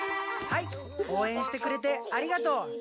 はい応援してくれてありがとう。